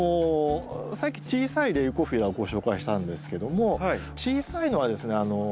さっき小さいレウコフィラをご紹介したんですけども小さいのはですね